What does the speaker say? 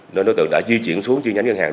nên đối tượng đã di chuyển xuống chi nhánh ngân hàng